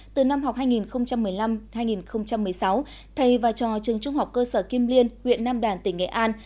từ năm học hai nghìn một mươi năm hai nghìn một mươi sáu thầy và trò trường trung học cơ sở kim liên huyện nam đàn tỉnh nghệ an